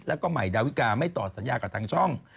แล้วก็ใหม่ดาวิกาไม่ต่อสัญญากับทางช่อง